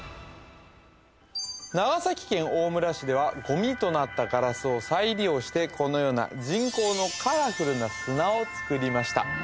長崎県大村市ではゴミとなったガラスを再利用してこのような人工のカラフルな砂を作りました